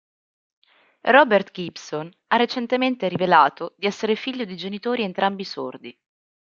Robert Gibson ha recentemente rivelato di essere figlio di genitori entrambi sordi.